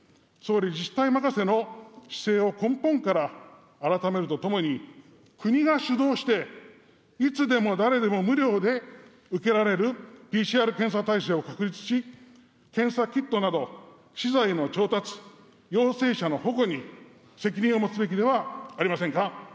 総理、自治体任せの姿勢を根本から改めるとともに、国が主導していつでも誰でも無料で受けられるＰＣＲ検査体制を確立し、検査キットなど、資材の調達、陽性者の保護に責任を持つべきではありませんか。